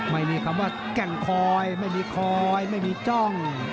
ไม่มีคำว่าแก่งคอยไม่มีคอยไม่มีจ้อง